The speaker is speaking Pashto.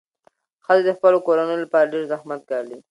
ښځې د خپلو کورنیو لپاره ډېر زحمت ګالي.